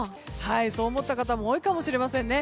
そう思った方も多いかもしれませんね。